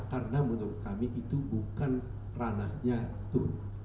karena menurut kami itu bukan ranahnya itu